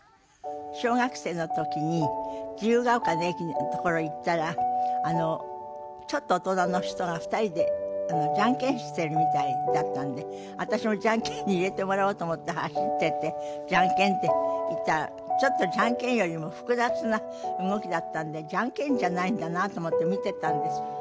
小学生の時に自由が丘の駅のところ行ったらあのちょっと大人の人が２人でじゃんけんしてるみたいだったんで私もじゃんけんに入れてもらおうと思って走ってってじゃんけんって言ったらちょっとじゃんけんよりも複雑な動きだったんでじゃんけんじゃないんだなと思って見てたんです。